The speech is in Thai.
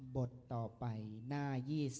ต่อไปหน้า๒๐